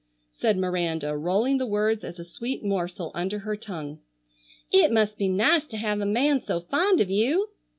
said Miranda, rolling the words as a sweet morsel under her tongue. "It must be nice to have a man so fond of you."